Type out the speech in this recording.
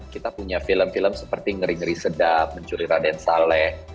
kita punya film film seperti ngeri ngeri sedap mencuri raden saleh